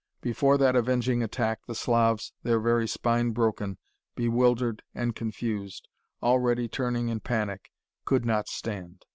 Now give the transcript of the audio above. Before that avenging attack the Slavs, their very spine broken, bewildered and confused, already turning in panic, could not stand.